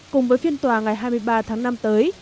cùng với phiên tòa ngày hai mươi ba tháng năm tới